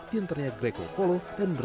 yang ternyata greg kokolo dan mbaka